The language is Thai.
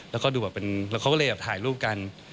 แล้วก็ดูแบบเป็นแล้วเขาก็เลยแอบถ่ายรูปกัน